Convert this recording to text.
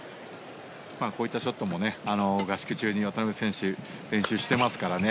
こういったショットも合宿中に渡辺選手練習してますからね。